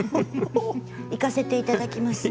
行かせていただきます。